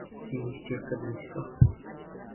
কী মিষ্টি একটা দৃশ্য!